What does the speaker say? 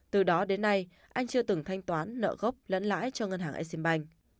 từ đó đến nay anh chưa từng thanh toán nợ gốc lẫn lãi cho ngân hàng e sim banh